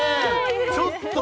ちょっと！